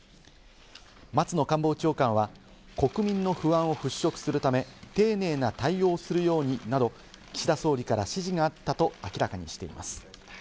松野官房長官は国民の不安を払拭するため、丁寧な対応をするようになど岸田総理から指示があったと明らかにしています。